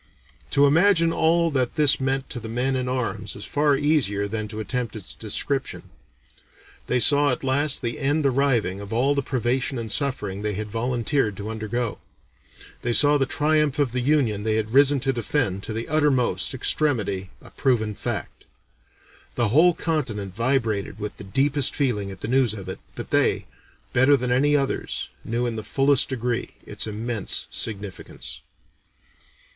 To imagine all that this meant to the men in arms is far easier than to attempt its description. They saw at last the end arriving of all the privation and suffering they had volunteered to undergo; they saw the triumph of the Union they had risen to defend to the uttermost extremity a proven fact. The whole continent vibrated with the deepest feeling at the news of it, but they, better than any others, knew in the fullest degree its immense significance.